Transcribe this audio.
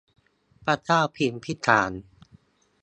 พระเจ้าพิมพิสาร